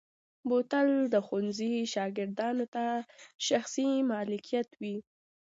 بوتل د ښوونځي شاګردانو ته شخصي ملکیت وي.